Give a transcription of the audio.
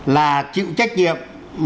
là chịu trách nhiệm